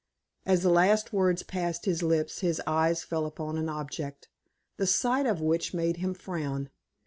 As the last words passed his lips his eyes fell upon an object, the sight of which made him frown.